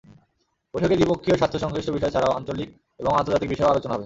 বৈঠকে দ্বিপক্ষীয় স্বার্থ-সংশ্লিষ্ট বিষয় ছাড়াও আঞ্চলিক এবং আন্তর্জাতিক বিষয়েও আলোচনা হবে।